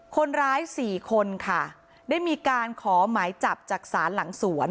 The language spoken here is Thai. คนร้ายสี่คนค่ะได้มีการขอหมายจับจากศาลหลังสวน